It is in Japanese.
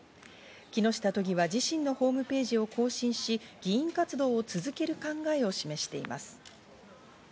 木下都議は自身のホームページを更新し議員活動を続ける考えを示しています。